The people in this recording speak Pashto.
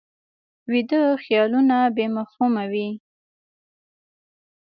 ویده خیالونه بې مفهومه وي